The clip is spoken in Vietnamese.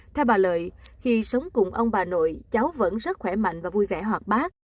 theo bà lợi khi sống cùng ông bà nội cháu vẫn rất khỏe mạnh và vui vẻ hoạt bác